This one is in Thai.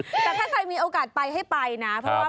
แต่ถ้าถามมีโอกาสไปให้กว่าไปนะ